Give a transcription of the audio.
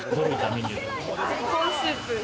コーンスープ。